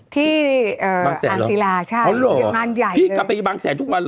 ที่อ่านศิราใช่พี่กลับไปบังแสนทุกวันหรอ